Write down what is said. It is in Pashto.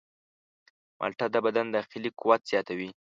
مالټه د بدن داخلي قوت زیاتوي.